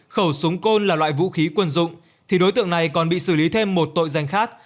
khẩu súng côn là loại vũ khí quân dụng thì đối tượng này còn bị xử lý thêm một tội danh khác